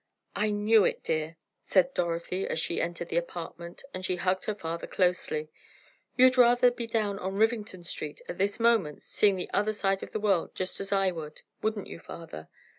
"I knew it, dear," said Dorothy, as they entered the apartment, and she hugged her father closely. "You'd rather be down on Rivington Street at this moment, seeing the other side of the world, just as I would; wouldn't you, father?"